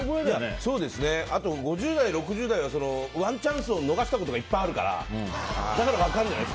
５０代、６０代はワンチャンスを逃したことがいっぱいあるからだから分かるんじゃない。